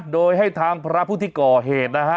โดยให้ทางพระพุทธิกรเหตุนะฮะ